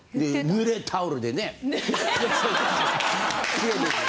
濡れタオルでね。